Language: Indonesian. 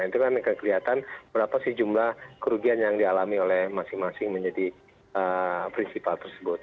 kita akan melihat berapa jumlah kerugian yang dialami oleh masing masing menjadi prinsipal tersebut